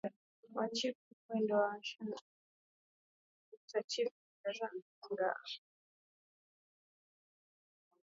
wa Chifu Mndewa au Mshenga iwe kumtawaza Chifu Mndewa au Mshenga au iwe kushughulika